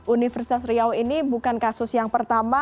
universitas riau ini bukan kasus yang pertama